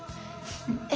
え